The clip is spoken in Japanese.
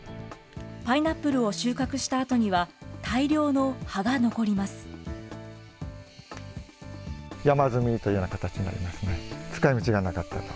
パイナップルを収穫したあとには大量の葉が残ります。